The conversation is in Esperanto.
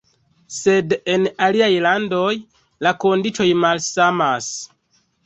Sed en aliaj landoj la kondiĉoj malsamas.